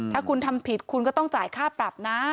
ถ้าคุณทำผิดคุณก็ต้องจ่ายค่าปรับนะ